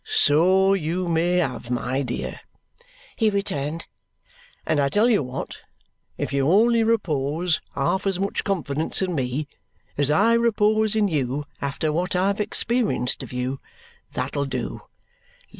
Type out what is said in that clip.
"So you may have, my dear," he returned. "And I tell you what! If you only repose half as much confidence in me as I repose in you after what I've experienced of you, that'll do.